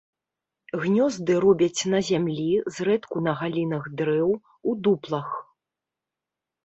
Гнёзды робяць на зямлі, зрэдку на галінах дрэў, у дуплах.